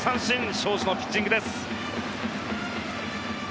荘司のピッチングです。